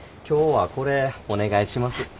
今日はこれお願いします。